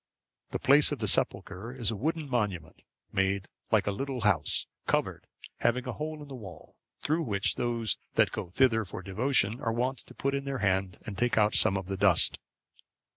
The place of the sepulchre is a wooden monument, made like a little house, covered, having a hole in the wall, through which those that go thither for devotion are wont to put in their hand and take out some of the dust.